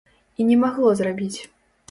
І не магло зрабіць.